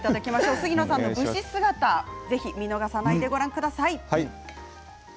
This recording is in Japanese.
杉野さんの武士姿見逃さないでください。